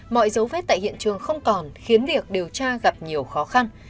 mọi dấu vết tại hiện trường không còn khiến việc điều tra gặp nhiều khó khăn